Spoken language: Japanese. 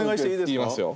言いますよ。